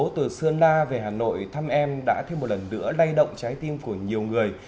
từ sơn la về hà nội thăm em đã thêm một lần nữa lay động trái tim của nhiều người